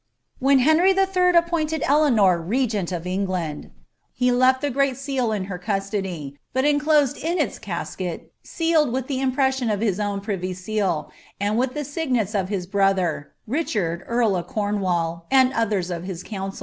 Wheit Henry IIL appointed Eleanor regent of England, he lefl the great seal in her custody, but enclosed in its casket, sealed with the impression of his own priyy seal, and with the signets of his brother, Richard eail of Comwall, and others of his councU.